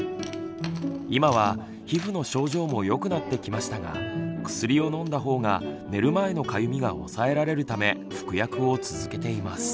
今は皮膚の症状もよくなってきましたが薬を飲んだ方が寝る前のかゆみが抑えられるため服薬を続けています。